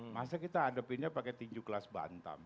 masa kita hadapinnya pakai tinju kelas bantam